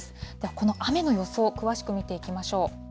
この雨の予想、詳しく見ていきましょう。